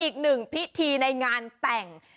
อีกหนึ่งพิธีในงานแต่ง